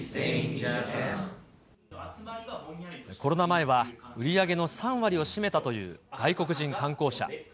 コロナ前は売り上げの３割を占めたという外国人観光者。